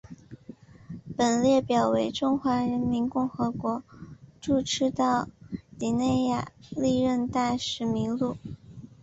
本列表为中华人民共和国驻赤道几内亚历任大使名录。